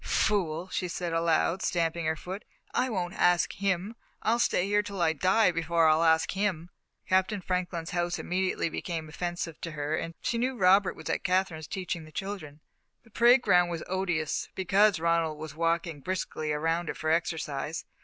"Fool!" she said aloud, stamping her foot; "I won't ask him. I'll stay here till I die before I'll ask him!" Captain Franklin's house immediately became offensive to her, and she knew Robert was at Katherine's, teaching the children. The parade ground was odious, because Ronald was walking briskly around it for exercise.